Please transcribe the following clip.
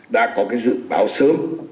đã có cái dự báo sớm